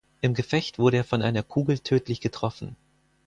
Im Gefecht wurde er von einer Kugel tödlich getroffen.